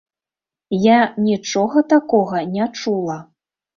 Я нічога такога не чула.